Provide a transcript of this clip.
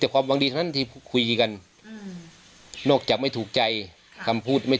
แต่แกก็แบบไม่จะฟังอืม